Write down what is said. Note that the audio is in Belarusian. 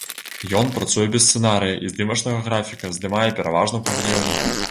Ён працуе без сцэнарыя і здымачнага графіка, здымае пераважна ў павільёне.